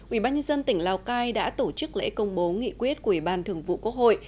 ủy ban nhân dân tỉnh lào cai đã tổ chức lễ công bố nghị quyết của ủy ban thường vụ quốc hội